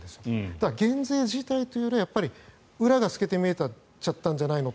ただ、減税自体というよりは裏が透けて見えちゃったんじゃないか